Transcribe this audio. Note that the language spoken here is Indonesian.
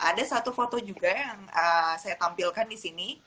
ada satu foto juga yang saya tampilkan disini